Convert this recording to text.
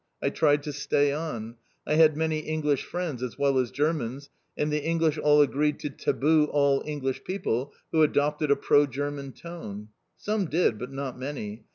I tried to stay on. I had many English friends as well as Germans, and the English all agreed to taboo all English people who adopted a pro German tone. Some did, but not many.